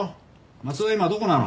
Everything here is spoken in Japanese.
松田は今どこなの？